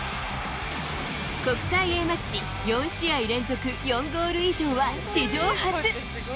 国際Ａマッチ、４試合連続４ゴール以上は史上初。